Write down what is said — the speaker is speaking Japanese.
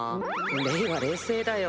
れいは冷静だよ。